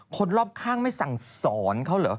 คนรอบข้างไม่สั่งสอนเขาเหรอ